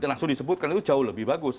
langsung disebutkan itu jauh lebih bagus